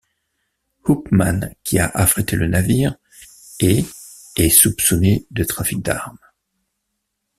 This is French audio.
Hoopman qui a affrété le navire et est soupçonné de trafic d'armes.